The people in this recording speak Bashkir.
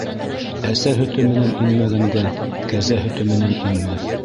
Әсә һөтө менән инмәгәнгә кәзә һөтө менән инмәҫ.